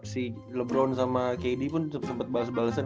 si lebron sama kd pun sempet bales balesan